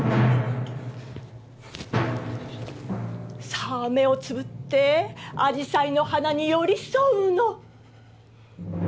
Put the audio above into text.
さあ目をつぶってあじさいの花に寄り添うの。